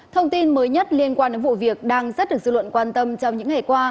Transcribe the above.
thông tin mới nhất liên quan đến vụ việc đang rất được dư luận quan tâm trong những ngày qua